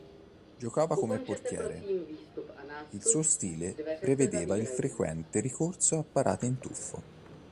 Giocava come portiere; il suo stile prevedeva il frequente ricorso a parate in tuffo.